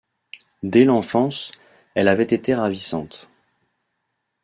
Dès l’enfance, elle avait été ravissante.